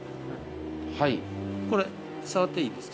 これ触っていいですか？